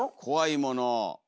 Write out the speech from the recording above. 怖いもの。